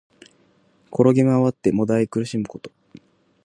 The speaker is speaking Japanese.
転げまわって悶え苦しむこと。